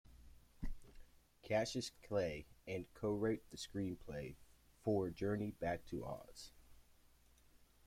Cassius Clay and co-wrote the screenplay for Journey Back to Oz.